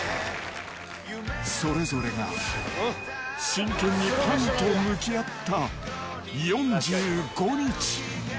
それぞれが真剣にパンと向き合った４５日。